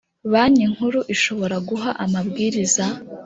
Banki Nkuru ishobora guha amabwiriza